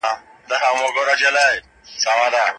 ايا انلاين درسونه د ځان ارزونې فرصت ورکوي؟